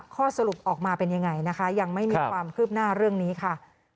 ข้อสรุปออกมาเป็นยังไงนะคะยังไม่มีความคืบหน้าเรื่องนี้ค่ะ